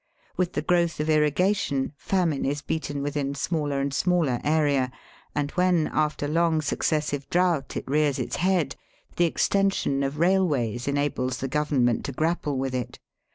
With the growth of irrigation famine is beaten within smaller and smaller •area, and when after long successive drought it rears its head, the extension of railways •enables the Government to grapple with it.